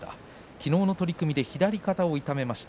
昨日の取組で左肩を痛めました。